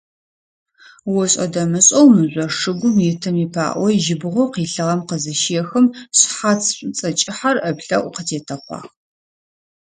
Ошӏэ-дэмышӏэу мыжъо шыгум итым ипаӏо жьыбгъэу къилъыгъэм къызыщехым, шъхьац шӏуцӏэ кӏыхьэр ыплӏэӏу къытетэкъуагъ.